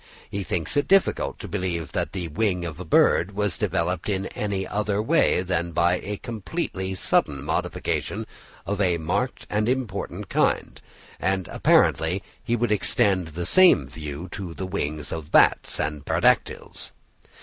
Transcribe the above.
He thinks it difficult to believe that the wing of a bird "was developed in any other way than by a comparatively sudden modification of a marked and important kind;" and apparently he would extend the same view to the wings of bats and pterodactyles.